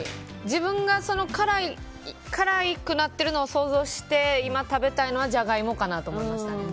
自分が辛くなってるのを想像して今、食べたいのはジャガイモかなと思いましたね。